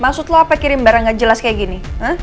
maksud lo apa kirim barang gak jelas kayak gini